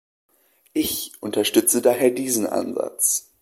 Ich unterstütze daher diesen Ansatz.